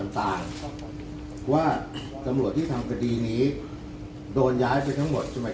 ต่างว่าตำรวจที่ทำคดีนี้โดนย้ายไปทั้งหมดใช่ไหม